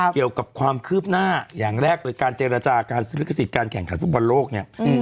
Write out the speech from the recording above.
เกี่ยวกับความคืบหน้าอย่างแรกเลยการเจรจาการซื้อลิขสิทธิ์การแข่งขันฟุตบอลโลกเนี่ย